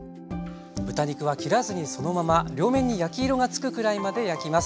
豚肉は切らずにそのまま両面に焼き色がつくくらいまで焼きます。